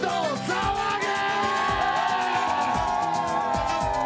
騒げ！